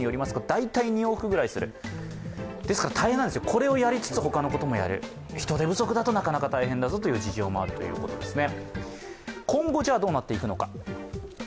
これをやりつつ、ほかのこともやる、人手不足だと、なかなか大変だぞという事情もあるようですね。